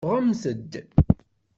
Ffɣemt-d.